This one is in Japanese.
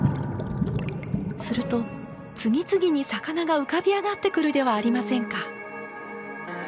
すると次々に魚が浮かび上がってくるではありませんか。